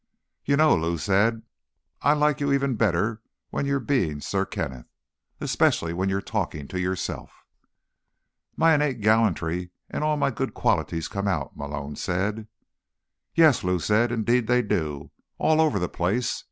"You know," Lou said, "I like you even better when you're being Sir Kenneth. Especially when you're talking to yourself." "My innate gallantry and all my good qualities come out," Malone said. "Yes," Lou said. "Indeed they do. All over the place.